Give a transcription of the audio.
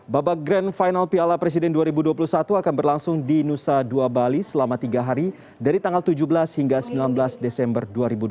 babak grand final piala presiden dua ribu dua puluh satu akan berlangsung di nusa dua bali selama tiga hari dari tanggal tujuh belas hingga sembilan belas desember dua ribu dua puluh